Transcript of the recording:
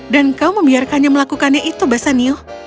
dan kau membiarkannya melakukannya itu bassanio